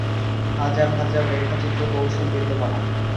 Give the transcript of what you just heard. হাজার হাজার রেখাচিত্র কৌশল বিদ্যমান।